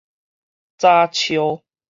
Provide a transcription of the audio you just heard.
早 𪁎